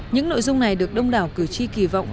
những nội dung này được đông đảo cử tri kỳ vọng